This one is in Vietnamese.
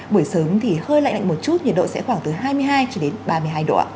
buổi sớm thì hơi lạnh một chút nhiệt độ sẽ khoảng từ hai mươi hai ba mươi hai độ